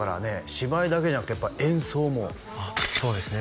芝居だけじゃなくてやっぱ演奏もそうですね